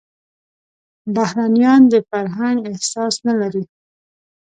بهرنيان د فرهنګ احساس نه لري.